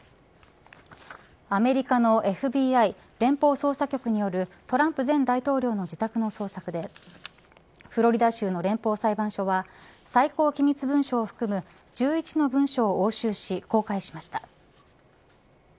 アメリカのＦＢＩ連邦捜査局によるトランプ前大統領の自宅の捜索でフロリダ州の連邦裁判所は最高機密文書を含む１１の文書を押収し公開しました。